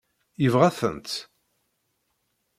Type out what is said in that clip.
Yebɣa-tent?